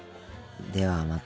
ではまた。